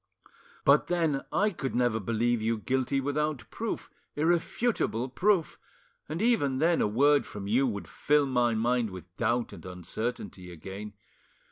"But then I could never believe you guilty without proof, irrefutable proof; and even then a word from you would fill my mind with doubt and uncertainty again.